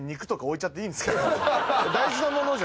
大事なものじゃ。